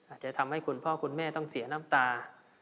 อาจจะทำให้คุณพ่อคุณแม่ต้องเสียน้ำตา